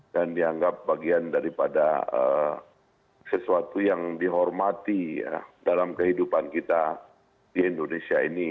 dan dianggap bagian daripada sesuatu yang dihormati dalam kehidupan kita di indonesia ini